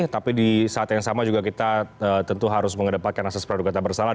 tapi di saat yang sama juga kita tentu harus mengedepankan asas peraduga tak bersalah